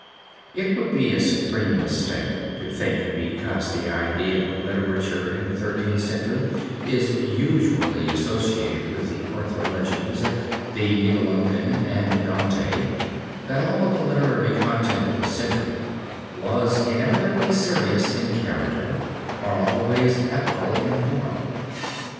It would be a supreme mistake to think because the idea of literature in the Thirteenth Century is usually associated with the Arthur Legends, the Nibelungen and Dante, that all of the literary content of the century was inevitably serious in character or always epical in form.